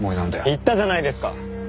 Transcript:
言ったじゃないですか。